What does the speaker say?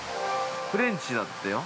フレンチだってよ。